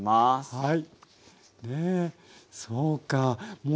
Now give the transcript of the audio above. はい。